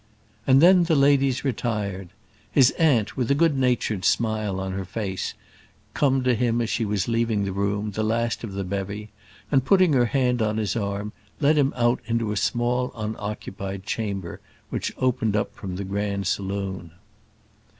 And then the ladies retired. His aunt, with a good natured smile on her face, come to him as she was leaving the room, the last of the bevy, and putting her hand on his arm, led him out into a small unoccupied chamber which opened from the grand saloon.